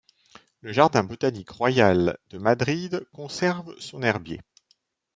Le Jardin botanique royal de Madrid conserve son herbier.